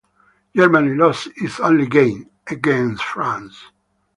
Germany lost its only game, against France.